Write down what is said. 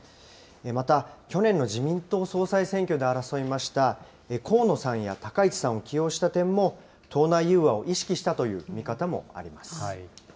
また、去年の自民党総裁選挙で争いました河野さんや高市さんを起用した点も、党内融和を意識したという見方もあります。